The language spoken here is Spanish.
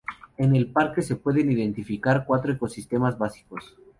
En el parque se pueden identificar cuatro ecosistemas básicos.